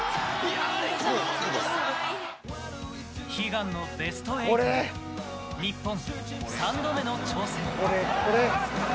悲願のベスト８へ日本、３度目の挑戦。